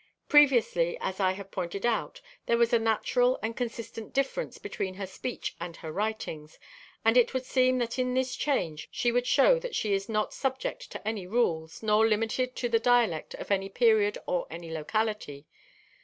Previously, as I have pointed out, there was a natural and consistent difference between her speech and her writings, and it would seem that in this change she would show that she is not subject to any rules, nor limited to the dialect of any period or any locality.